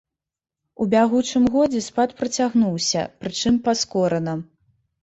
У бягучым годзе спад працягнуўся, прычым паскорана.